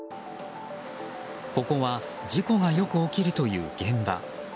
ここは事故がよく起きるという現場。